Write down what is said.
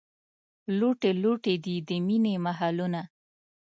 لوټې لوټې دي، د مینې محلونه